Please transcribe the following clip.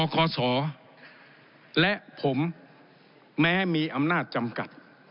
คศและผมแม้มีอำนาจจำกัด